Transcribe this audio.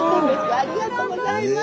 ありがとうございます。